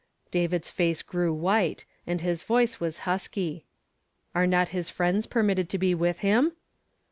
David's face grew white, and liis voice was husky. " Are not his friends permitted to be with him